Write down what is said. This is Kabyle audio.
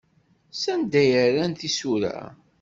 Sanda ay rran tisura?